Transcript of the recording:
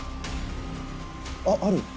あっある。